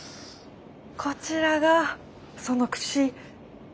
こちらがその櫛。